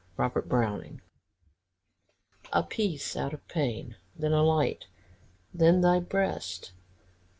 ROBERT BROWNING. "A peace out of pain, Then a light, then thy breast.